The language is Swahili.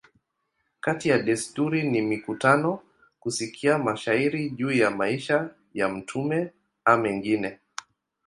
Kati ya desturi ni mikutano, kusikia mashairi juu ya maisha ya mtume a mengine.